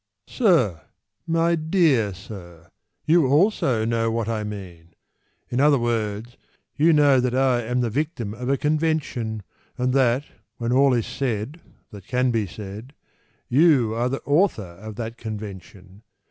Sir, My dear Sir, You also know what I mean; In other words, you know That I am the victim of a convention, And that, when all is said that can be said, You are the author of that convention.